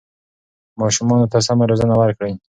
ماشومانو ته سمه روزنه ورکړئ.